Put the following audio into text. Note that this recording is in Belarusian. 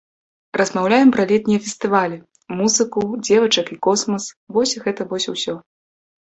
Размаўляем пра летнія фестывалі, музыку, дзевачак і космас, вось гэта вось усё.